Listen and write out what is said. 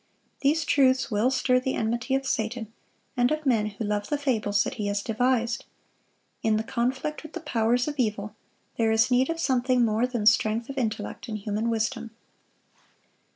These truths will stir the enmity of Satan, and of men who love the fables that he has devised. In the conflict with the powers of evil, there is need of something more than strength of intellect and human wisdom.